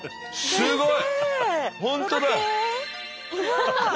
すごい！